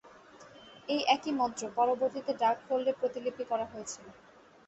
এই একই মন্ত্র, পরবর্তীতে ডার্কহোল্ডে প্রতিলিপি করা হয়েছিল।